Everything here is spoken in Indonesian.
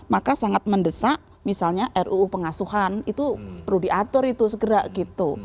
maka sangat mendesak misalnya ruu pengasuhan itu perlu diatur itu segera gitu